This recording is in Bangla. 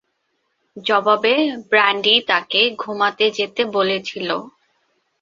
জবাবে, ব্র্যান্ডি তাকে "ঘুমাতে যেতে" বলেছিল।